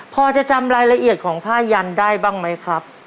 พอจะจำรายละเอียดของผ้ายันได้บ้างไหมครับ